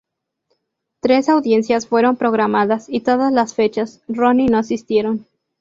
Tres audiencias fueron programadas, y todas las fechas, Ronnie no asistieron.